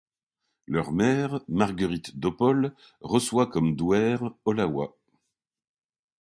Leur mère Marguerite d'Opole reçoit comme douaire Oława.